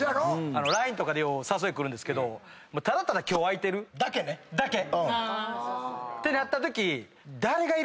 ＬＩＮＥとかで誘い来るんですけどただただ「今日空いてる？」だけね。だけ。ってなったとき。